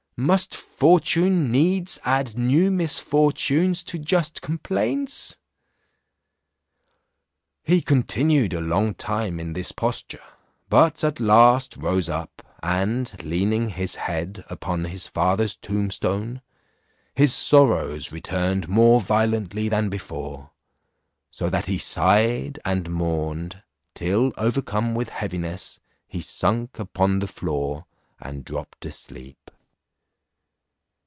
Must fortune needs add new misfortunes to just complaints?" He continued a long time in this posture, but at last rose up, and leaning his head upon his father's tombstone, his sorrows returned more violently than before; so that he sighed and mourned, till, overcome with heaviness, he sunk upon the floor, and drops asleep.